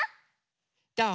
どう？